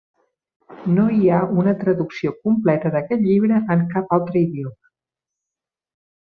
No hi ha una traducció completa d'aquest llibre en cap altre idioma.